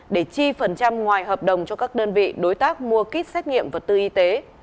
để chi phần trăm ngoài hợp đồng cho các đơn vị đối tác mua kích xét nghiệm vật tư y tế